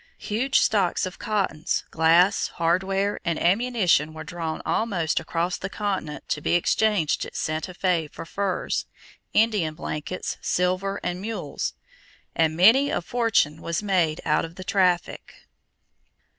Huge stocks of cottons, glass, hardware, and ammunition were drawn almost across the continent to be exchanged at Santa Fé for furs, Indian blankets, silver, and mules; and many a fortune was made out of the traffic.